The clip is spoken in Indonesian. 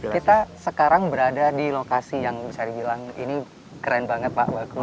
kita sekarang berada di lokasi yang bisa dibilang ini keren banget pak